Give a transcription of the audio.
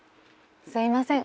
すいません。